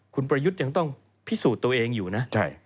คุณประยุทธ์ยังต้องพิสูจน์ตัวเองอยู่นะ